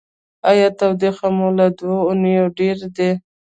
ایا ټوخی مو له دوه اونیو ډیر دی؟